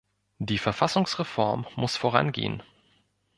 Die Verfassungsreform muss vorangehen.